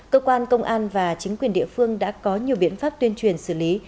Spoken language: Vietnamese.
cơ quan công an và chính quyền địa phương đã có nhiều biện pháp tuyên truyền xử lý